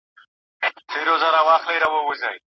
د ارغنداب سیند د مرغانو لپاره امن ځای دی.